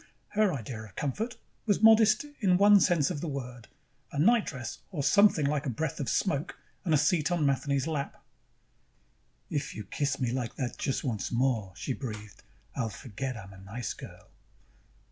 Her idea of comfort was modest in one sense of the word: a nightdress or something, like a breath of smoke, and a seat on Matheny's lap. "If you kiss me like that just once more," she breathed, "I'll forget I'm a nice girl."